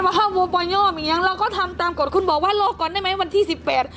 มันมีว่าโอบอยอมอย่างนี้เราก็ทำตามกฏคุณบอกว่าโหลก่อนได้ไหมปันทีสิบแปด